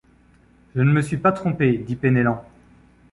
Je ne me suis pas trompé, dit Penellan.